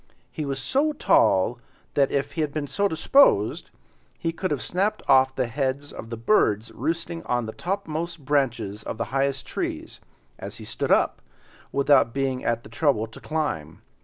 He was so tall that, if he had been so disposed, he could have snapped off the heads of the birds roosting on the topmost branches of the highest trees, as he stood up, without being at the trouble to climb.